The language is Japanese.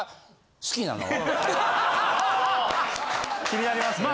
気になりますね。